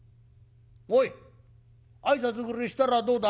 おい挨拶ぐれえしたらどうだ？